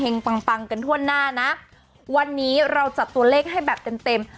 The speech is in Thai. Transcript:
ปังปังกันทั่วหน้านะวันนี้เราจัดตัวเลขให้แบบเต็มเต็ม